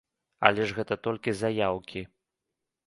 Але ж гэта толькі заяўкі.